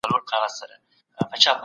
په ادبي تاریخ کې ژبنی جاج اخیستل کیږي.